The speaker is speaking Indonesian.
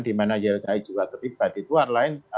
di mana jlki juga terlibat di tuar lain